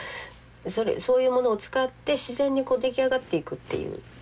そういうものを使って自然に出来上がっていくっていう。